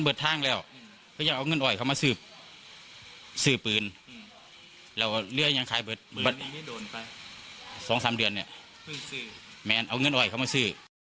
เอาเงินอ่อยเข้ามาซื้อ